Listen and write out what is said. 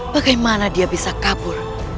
bagaimana dia bisa kabur